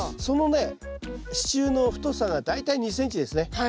そのね支柱の太さが大体２ｃｍですね。